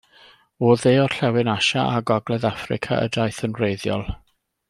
O dde-orllewin Asia a gogledd Affrica y daeth yn wreiddiol.